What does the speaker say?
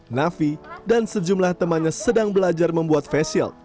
navi dan sejumlah temannya sedang belajar membuat face shield